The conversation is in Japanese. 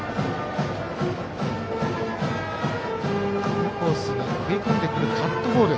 インコースに食い込んでくるカットボール